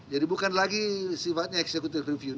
jadi bukan lagi sifatnya eksekutif reviewnya